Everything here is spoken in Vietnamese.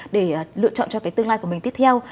để lựa chọn cho cái tương lai của mình tiếp theo